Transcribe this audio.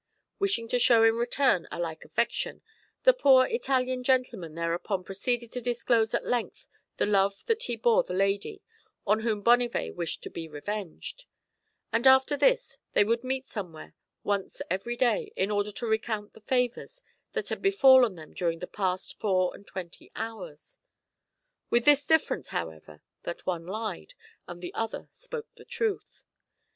Wishing to show in return a like affection, the poor Italian gentleman thereupon proceeded to disclose at length the love that he bore the lady on whom Bonnivet wished to be revenged ; and after this they would meet somewhere once every day in order to recount the favours that had befallen them during the past four and twenty hours ; with this difference, however, that one lied, and the other spoke the truth.